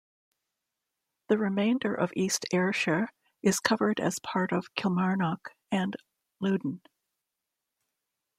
The remainder of East Ayrshire is covered as part of Kilmarnock and Loudoun.